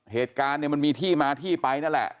เหตุการณ์เนี่ยมันมีที่มาที่ไปนั่นแหละ